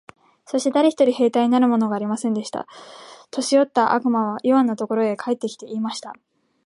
そして誰一人兵隊になるものがありませんでした。年よった悪魔はイワンのところへ帰って来て、言いました。